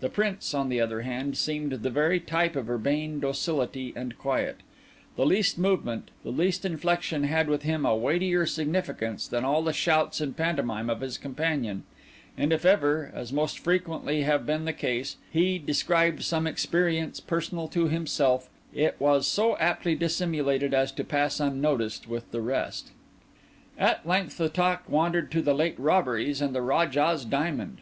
The Prince, on the other hand, seemed the very type of urbane docility and quiet; the least movement, the least inflection, had with him a weightier significance than all the shouts and pantomime of his companion; and if ever, as must frequently have been the case, he described some experience personal to himself, it was so aptly dissimulated as to pass unnoticed with the rest. At length the talk wandered on to the late robberies and the Rajah's Diamond.